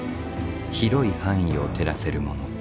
広い範囲を照らせるもの。